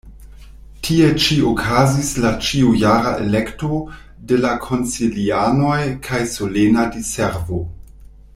Tie ĉi okazis la ĉiujara elekto de la konsilianoj kaj solena diservo.